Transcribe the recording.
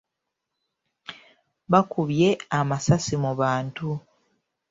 Bakubye amasasi mu bantu.